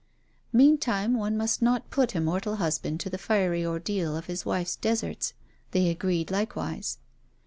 Meantime one must not put a mortal husband to the fiery ordeal of his wife's deserts, they agreed likewise.